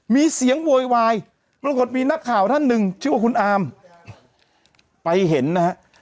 มีเสียงโวยวายปรากฏมีนักข่าวท่านหนึ่งชื่อว่าคุณอามไปเห็นนะฮะ